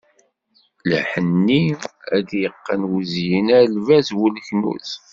Lḥenni ad t-yeqqen wuzyin, a lbaz bu leknuz.